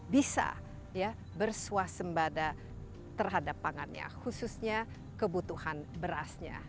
bisa bersuah sembada terhadap pangannya khususnya kebutuhan berasnya